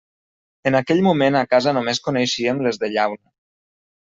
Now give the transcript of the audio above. En aquell moment a casa només coneixíem les de llauna.